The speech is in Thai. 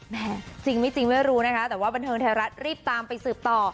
แม่จริงไม่รู้นะแต่ว่าบรรเทิงไทยรัจรีบตามไปสืบต่อ